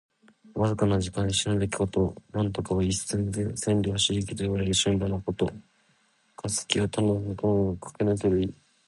わずかな時間。一瞬の出来事。「騏驥」は一日で千里を走りきるといわれる駿馬のこと。「過隙」は戸の隙間の向こう側をかけぬける意。